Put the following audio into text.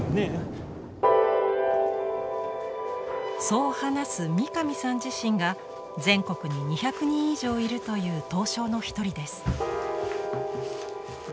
そう話す三上さん自身が全国に２００人以上いるという刀匠の一人です。